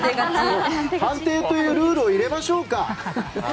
判定というルール入れましょうか。